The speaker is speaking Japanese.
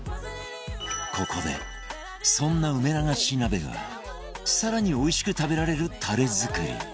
ここでそんな梅流し鍋が更においしく食べられるタレ作り